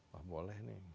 wah boleh nih